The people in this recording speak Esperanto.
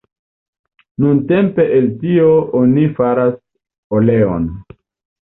Nuntempe el tio oni faras oleon.